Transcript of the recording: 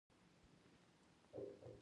خاین چیرته وي؟